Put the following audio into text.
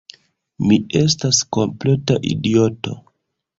Mi estas kompleta idioto!